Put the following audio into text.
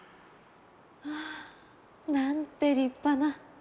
まあなんて立派な。